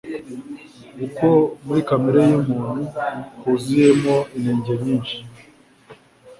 kuko muri kamere y'umuntu huzuyemo inenge nyinshi.